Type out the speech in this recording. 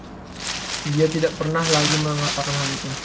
Dia tidak pernah lagi mengatakan hal itu.